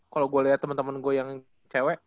kalau gue liat temen temen gue yang cewek